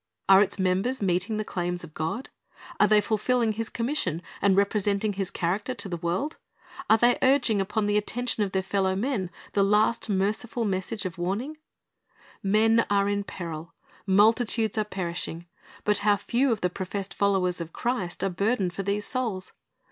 Are its members meeting the claims of God? Are they fulfilling His commission, and representing His character to the world? Are they urging upon the attention of their fellow men the last merciful message of warning? 1 Luke 19 : 42 Th e Lord's Vi iiey ard 303 Men are in peril. Multitudes are perishing. But how few of the professed followers of Christ are burdened for these souls.